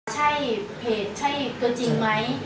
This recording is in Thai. ใช่เพจใช่เกราะจริงไหม